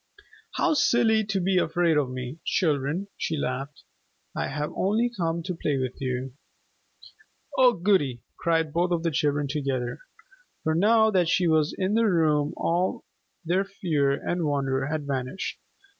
"How silly to be afraid of me, children," she laughed. "I have only come to play with you." "Oh goody!" cried both of the children together. For now that she was in the room all their fear and wonder had vanished.